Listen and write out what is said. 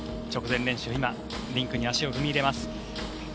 直前練習、今、リンクに足を踏み入れます。